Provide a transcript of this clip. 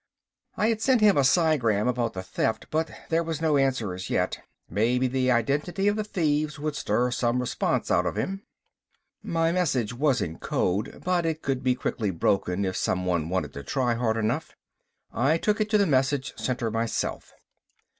I had sent him a psigram about the theft, but there was no answer as yet. Maybe the identity of the thieves would stir some response out of him. My message was in code, but it could be quickly broken if someone wanted to try hard enough. I took it to the message center myself.